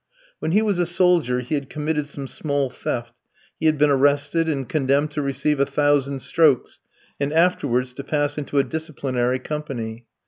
When he was a soldier he had committed some small theft, he had been arrested and condemned to receive a thousand strokes, and afterwards to pass into a disciplinary company.